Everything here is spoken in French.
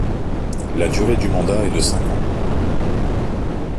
La durée du mandat est de cinq ans.